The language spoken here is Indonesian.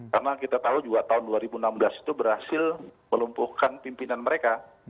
karena kita tahu juga tahun dua ribu enam belas itu berhasil melumpuhkan pimpinan mereka